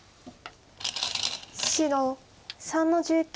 白３の十九。